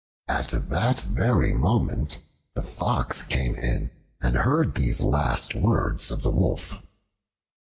At that very moment the Fox came in and heard these last words of the Wolf.